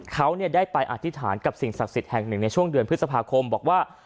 เขาได้ไปอธิษฐานกับสิ่งศักดิ์สิทธิ์แห่งหนึ่งในช่วงเดือนพฤษภาคมบอกว่า